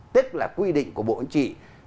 tức là quy định của bộ anh chị